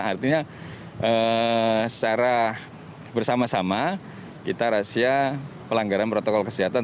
artinya secara bersama sama kita rahasia pelanggaran protokol kesehatan